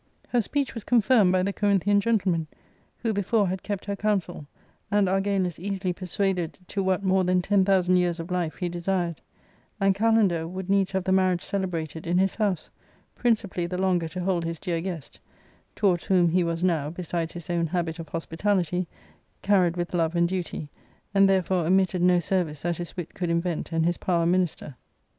Her speech was confirmed by the Corinthian gentlemen, who before had kept her counsel, and Argalus easily persuaded to what more than ten thousand years of life he desired ; and Kalander would needs have the marriage celebrated in his house, principally the longer to hold his dear guest, towards whom he was now, besides his own habit of hospitality, carried with love and duty, and therefore omitted no ser vice that his wit could invent and his power minister.